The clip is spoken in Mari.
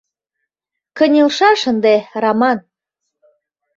— Кынелшаш ынде, Раман!